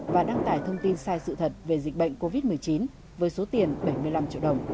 và đăng tải thông tin sai sự thật về dịch bệnh covid một mươi chín với số tiền bảy mươi năm triệu đồng